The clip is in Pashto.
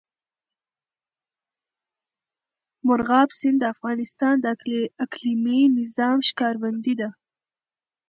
مورغاب سیند د افغانستان د اقلیمي نظام ښکارندوی ده.